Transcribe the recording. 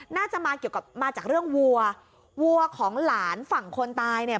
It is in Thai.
น่าจะมาจากเรื่องวัววัวของหลานฝั่งคนตายเนี่ย